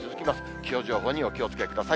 気象情報にお気をつけください。